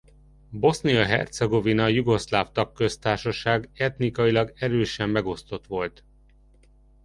Bosznia-Hercegovina jugoszláv tagköztársaság etnikailag erősen megosztott volt.